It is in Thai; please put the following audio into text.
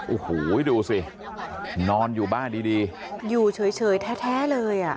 โอ้โหดูสินอนอยู่บ้านดีดีอยู่เฉยแท้เลยอ่ะ